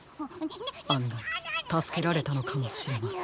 あんがいたすけられたのかもしれません。